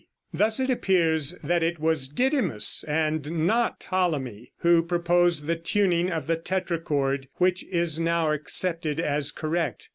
Thus it appears that it was Didymus, and not Ptolemy, who proposed the tuning of the tetrachord which is now accepted as correct.